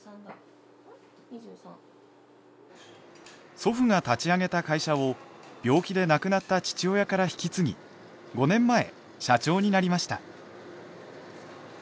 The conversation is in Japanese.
祖父が立ち上げた会社を病気で亡くなった父親から引き継ぎ５年前社長になりました。